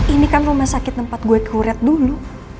ini kan rumah sakit tempat gue kurit dulu